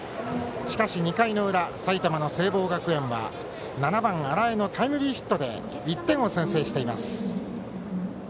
しかし２回の裏埼玉の聖望学園は７番、荒江のタイムリーヒットで１点を先制しています。